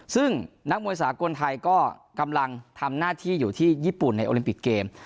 ซึ่งนักมวยสากลไทยก็กำลังทำหน้าที่อยู่ที่ญี่ปุ่นในโอลิมปิกเกม